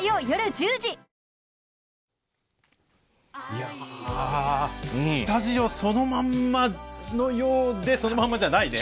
いやスタジオそのまんまのようでそのまんまじゃないね。